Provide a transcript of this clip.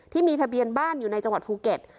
ที่มีทะเบียนบ้านอยู่ในจังหวัดภูเก็ต